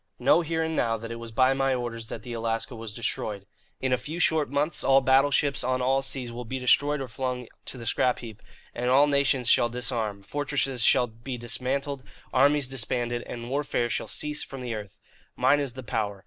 Know here and now that it was by my orders that the Alaska was destroyed. In a few short months, all battleships on all seas will be destroyed or flung to the scrap heap, and all nations shall disarm; fortresses shall be dismantled, armies disbanded, and warfare shall cease from the earth. Mine is the power.